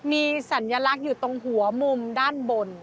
มีสัญลักษณ์อยู่ตรงหัวมุมด้านบน